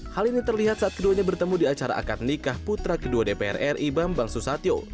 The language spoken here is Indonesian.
hal ini terlihat saat keduanya bertemu di acara akad nikah putra kedua dpr ri bambang susatyo